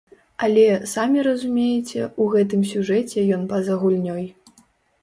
Але, самі разумееце, у гэтым сюжэце ён па-за гульнёй.